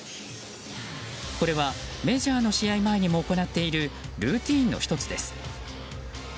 これは、メジャーの試合前にも行っているルーティンの１つです。